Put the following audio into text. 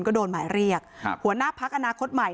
ก็โดนหมายเรียกหัวหน้าพักอนาคตใหม่